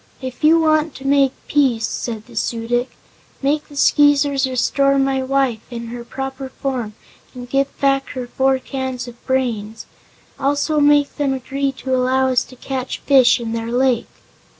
"If you want to make peace," said the Su dic, "make the Skeezers restore my wife to her proper form and give back her four cans of brains. Also make them agree to allow us to catch fish in their lake."